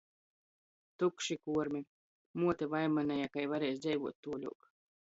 Tukši kuormi! Muote vaimaneja, kai varēs dzeivuot tuoļuok.